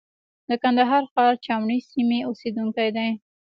د کندهار ښار چاوڼۍ سیمې اوسېدونکی دی.